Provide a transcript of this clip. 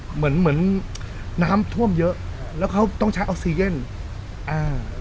เหมือนเหมือนน้ำท่วมเยอะแล้วเขาต้องใช้ออกซีเย็นอ่า